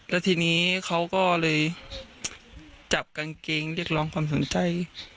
แล้วทีนี้เขาก็เลยจับกางเกงเรียกร้องความสนใจ